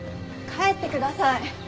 帰ってください。